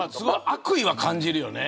悪意は感じるよね。